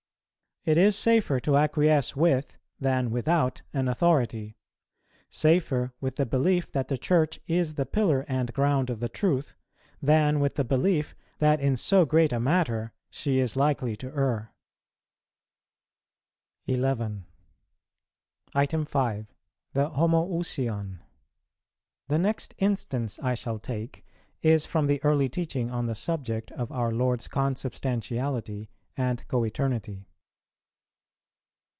It is safer to acquiesce with, than without, an authority; safer with the belief that the Church is the pillar and ground of the truth, than with the belief that in so great a matter she is likely to err. 11. (5.) The Homoüsion. The next instance I shall take is from the early teaching on the subject of our Lord's Consubstantiality and Co eternity.